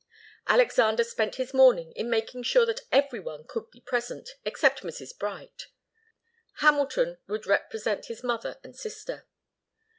Alexander spent his morning in making sure that every one could be present, except Mrs. Bright. Hamilton would represent his mother and sister.